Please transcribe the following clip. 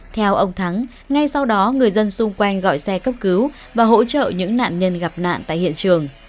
theo ông thắng ngay sau đó người dân xung quanh gọi xe cấp cứu và hỗ trợ những nạn nhân gặp nạn tại hiện trường